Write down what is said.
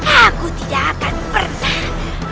aku tidak akan pernah